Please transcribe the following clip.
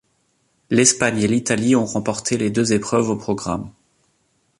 L'Espagne et l'Italie ont remporté les deux épreuves au programme.